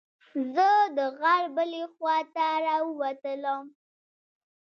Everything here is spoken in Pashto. زه د غار بلې خوا ته راووتلم.